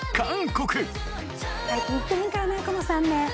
最近行ってへんからなこの３年。